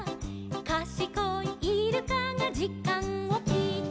「かしこいイルカがじかんをきいた」